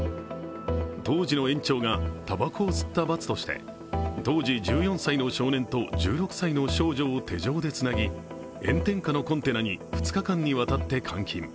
当時の園長がたばこを吸った罰として当時１４歳の少年と１６歳の少女を手錠でつなぎ炎天下のコンテナに２日間にわたって監禁。